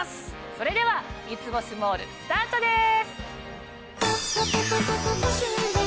それでは『三ツ星モール』スタートです。